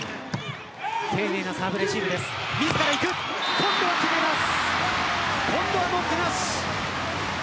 今度は決めます。